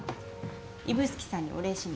指宿さんにお礼しに。